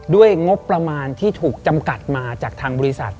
ด้วยงบประมาณที่ถูกจำกัดมาจากทางบริษัท